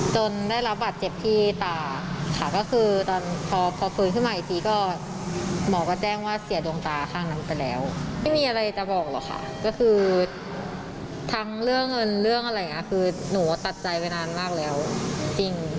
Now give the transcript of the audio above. ใจไปนานมากแล้วจริง